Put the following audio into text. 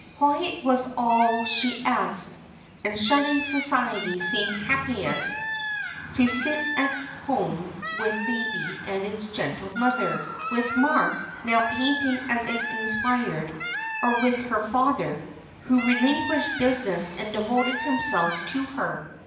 Quiet was all she asked; and shunning society seemed happiest to sit at home with baby and its gentle mother, with Mark, now painting as if inspired, or with her father, who relinquished business and devoted himself to her.